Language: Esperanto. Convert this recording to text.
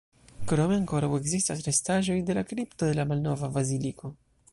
Krome ankoraŭ ekzistas restaĵoj de la kripto de la malnova baziliko.